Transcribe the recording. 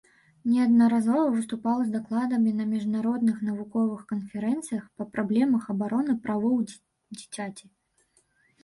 Неаднаразова выступаў з дакладамі на міжнародных навуковых канферэнцыях па праблемах абароны правоў дзіцяці.